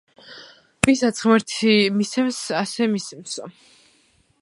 ვისაც ღმერთი მისცემს, ასე მისცემსო.